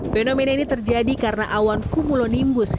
fenomena ini terjadi karena awan cumulonimbus